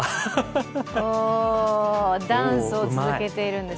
おお、ダンスを続けているんです。